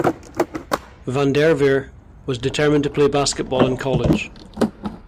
VanDerveer was determined to play basketball in college.